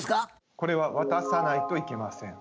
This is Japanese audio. これは渡さないといけません。